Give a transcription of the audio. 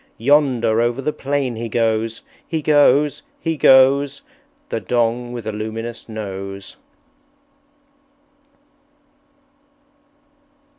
Yonder, over the plain he goes, He goes! He goes, The Dong with a luminous Nose!"